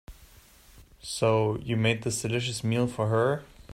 So, you made this delicious meal for her?